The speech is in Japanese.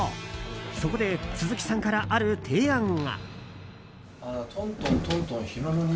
そこで鈴木さんからある提案が。